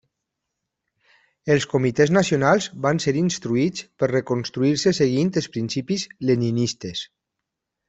Els comitès nacionals van ser instruïts per reconstruir-se seguint els principis Leninistes.